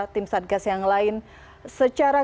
tim satgas yang lain secara